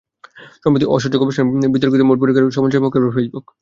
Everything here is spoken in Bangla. সম্প্রতি অস্বচ্ছ গবেষণার বিতর্কিত মুড পরীক্ষা করে সমালোচনার মুখে পড়ে ফেসবুক।